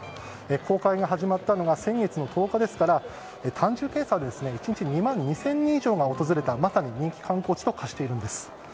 公開が始まったのが先月の１０日ですから単純計算で１日２万２０００人以上訪れたまさに人気観光地と化しているんです。